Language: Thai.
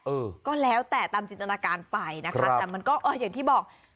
เออก็แล้วแต่ตามจินตนาการไปนะคะแต่มันก็เอออย่างที่บอก